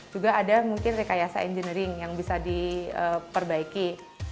juga ada mungkin rekayasa engineering yang bisa diperbaiki